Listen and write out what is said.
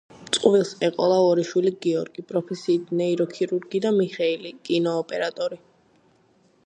წყვილს ეყოლა ორი შვილი გიორგი, პროფესიით ნეიროქირურგი და მიხეილი, კინოოპერატორი.